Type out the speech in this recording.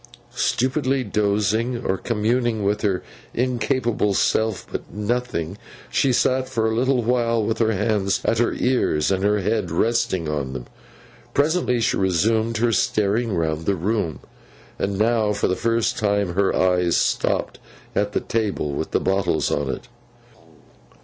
Stupidly dozing, or communing with her incapable self about nothing, she sat for a little while with her hands at her ears, and her head resting on them. Presently, she resumed her staring round the room. And now, for the first time, her eyes stopped at the table with the bottles on it.